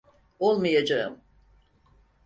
Olmayacağım.